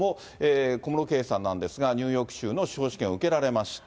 小室圭さんなんですが、ニューヨーク州の司法試験を受けられました。